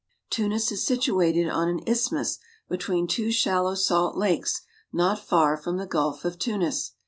Tunis is situated on an isthmus between two shallow salt lakes not far from the Gulf of Tunis.